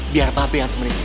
biar babi yang kemerdekin